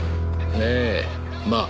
ええまあ